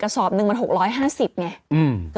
สอบหนึ่งมัน๖๕๐ไง